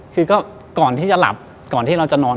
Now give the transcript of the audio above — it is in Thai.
คือก็ก่อนที่จะหลับก่อนที่เราจะนอน